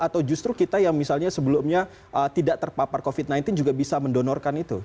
atau justru kita yang misalnya sebelumnya tidak terpapar covid sembilan belas juga bisa mendonorkan itu